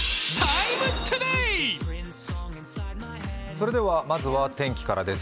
それでは、まずは天気からです。